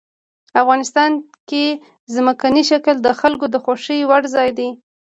افغانستان کې ځمکنی شکل د خلکو د خوښې وړ ځای دی.